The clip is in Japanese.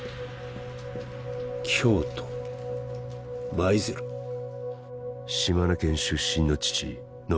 京都舞鶴島根県出身の父乃